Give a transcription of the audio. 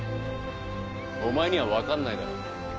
お前には分かんないだろう。